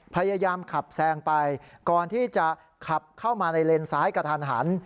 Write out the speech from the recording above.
พยายามขับแซงไปก่อนที่จะขับเข้ามาในเลนซ้ายกระทันหัน